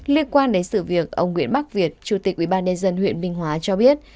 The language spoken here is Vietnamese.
liên quan đến sự việc ông nguyễn bắc việt chủ tịch ubnd huyện minh hóa cho biết